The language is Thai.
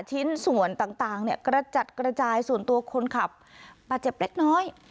ชิ้นส่วนต่างเนี่ยกระจัดกระจายส่วนตัวคนขับบาดเจ็บเล็กน้อย